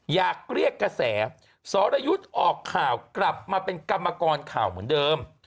อยากเรียกกระแสสรยุทธ์ออกข่าวกลับมาเป็นกรรมกรข่าวเหมือนเดิม